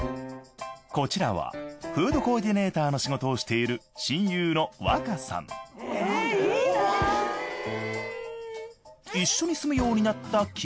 こちらはフードコーディネーターの仕事をしている親友のわかさんうんちゃんと。